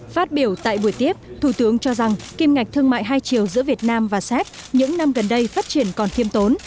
phát biểu tại buổi tiếp thủ tướng cho rằng kim ngạch thương mại hai chiều giữa việt nam và séc những năm gần đây phát triển còn thiêm tốn